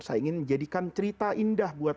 saya ingin menjadikan cerita indah buat